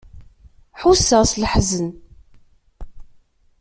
Ḥusseɣ s leḥzen.